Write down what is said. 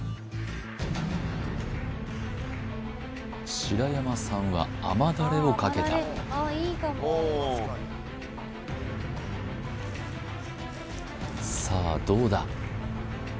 白山さんは甘だれをかけたさあどうだ？